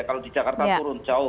kalau di jakarta turun jauh